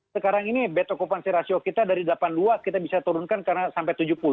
sekarang ini betok okupansi rasio kita dari delapan puluh dua kita bisa turunkan sampai tujuh puluh